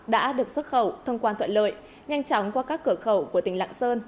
đã được xuất khẩu thông quan thuận lợi nhanh chóng qua các cửa khẩu của tỉnh lạng sơn